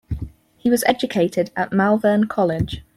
He was educated at Malvern College.